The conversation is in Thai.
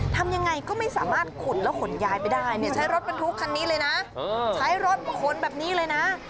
ทำยังไงก็ไม่สามารถขุดแล้วขนย้ายไปได้เนี่ยใช้รถบรรทุกคันนี้เลยนะใช้รถขนแบบนี้เลยนะ